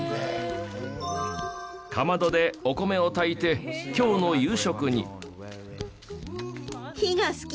かまどでお米を炊いて今日の夕食に。